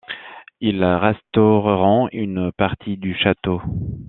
Ils restaureront une partie du château.